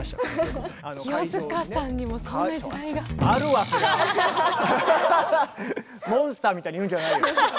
まさにそういうモンスターみたいに言うんじゃないよ！